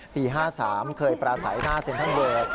ปี๑๙๕๓เคยประสัยหน้าเซ็นทันเวิร์ด